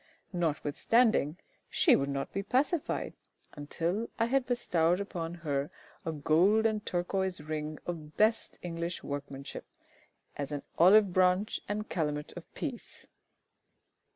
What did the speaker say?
Notwithstanding, she would not be pacified until I had bestowed upon her a gold and turquoise ring of best English workmanship, as an olive branch and calumet of peace.